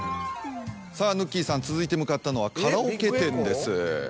ぬっきぃさん続いて向かったのはカラオケ店です。